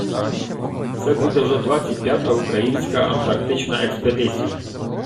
Це буде вже двадцять п'ята українська антарктична експедиція.